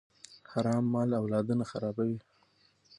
حرام مال اولادونه خرابوي.